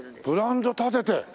ブランド立てて？